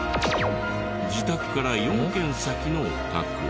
自宅から４軒先のお宅へ。